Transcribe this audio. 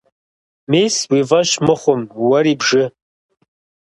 Мис, уи фӀэщ мыхъум, уэри бжы.